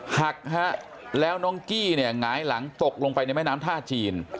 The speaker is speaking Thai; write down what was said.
หักฮะแล้วน้องกี้เนี่ยหงายหลังตกลงไปในแม่น้ำท่าจีน